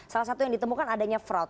salah satu yang ditemukan adanya fraud